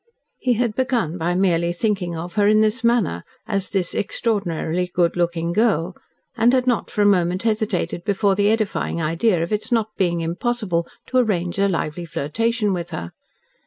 He had begun by merely thinking of her in this manner as "this extraordinarily good looking girl," and had not, for a moment, hesitated before the edifying idea of its not being impossible to arrange a lively flirtation with her.